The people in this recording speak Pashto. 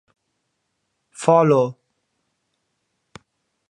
Follow